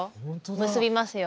「結びますよ」